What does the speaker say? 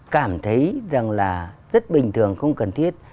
cảm thấy rằng là rất bình thường không cần thiết